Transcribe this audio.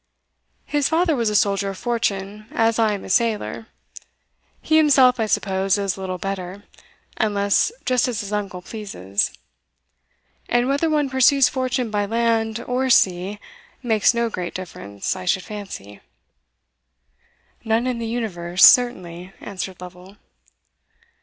His father was a soldier of fortune as I am a sailor he himself, I suppose, is little better, unless just as his uncle pleases; and whether one pursues fortune by land, or sea, makes no great difference, I should fancy." "None in the universe, certainly," answered Lovel.